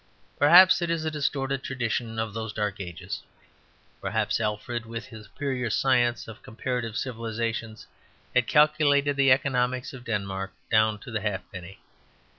Perhaps it is a distorted tradition of those dark ages. Perhaps Alfred, with the superior science of comparative civilization, had calculated the economics of Denmark down to a halfpenny.